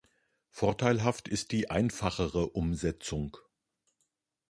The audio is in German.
Vorteilhaft ist die einfachere Umsetzung.